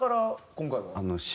今回は。